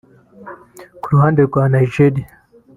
Ku ruhande rwa Nigeria